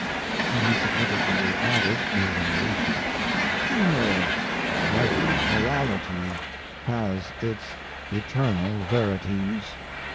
And he significantly added musingly "Humour, like morality, has its eternal verities."